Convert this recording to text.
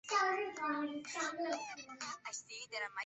专辑中风中的承诺成为其代表作之一。